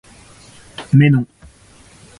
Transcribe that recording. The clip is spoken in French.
Mais non.